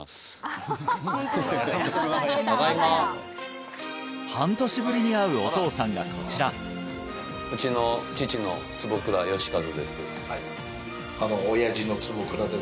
ただいま半年ぶりに会うお父さんがこちらうちの父の坪倉良和です